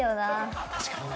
確かにな。